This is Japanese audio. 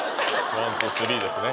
ワンツースリーですね